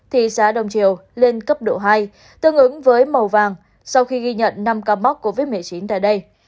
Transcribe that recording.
thì giá đồng triều lên cấp độ hai tương ứng với màu vàng sau khi ghi nhận năm ca mắc covid một mươi chín tại đây